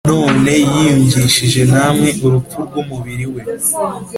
none yiyungishije namwe urupfu rw umubiri we